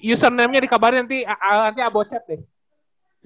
usernamenya dikembarin nanti abocet deh